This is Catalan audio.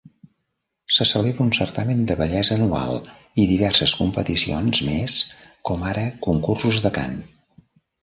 Se celebra un certamen de bellesa anual i diverses competicions més com ara concursos de cant.